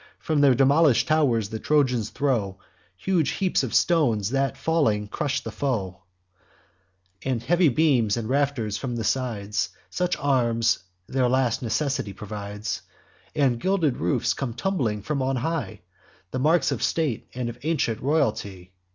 From their demolish'd tow'rs the Trojans throw Huge heaps of stones, that, falling, crush the foe; And heavy beams and rafters from the sides (Such arms their last necessity provides) And gilded roofs, come tumbling from on high, The marks of state and ancient royalty.